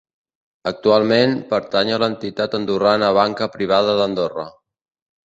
Actualment, pertany a l'entitat andorrana Banca Privada d'Andorra.